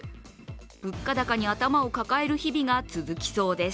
物価高に頭を抱える日々が続きそうです。